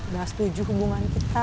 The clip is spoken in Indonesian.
dah setuju hubungan kita